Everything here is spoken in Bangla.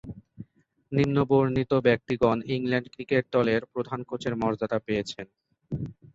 নিম্নবর্ণিত ব্যক্তিগণ ইংল্যান্ড ক্রিকেট দলের প্রধান কোচের মর্যাদা পেয়েছেন।